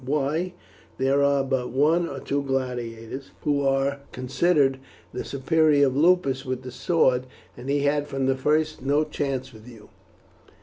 Why, there are but one or two gladiators who are considered the superior of Lupus with the sword, and he had from the first no chance with you."